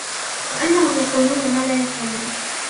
وأنهم يقولون ما لا يفعلون